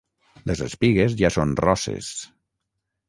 Les espigues ja són rosses.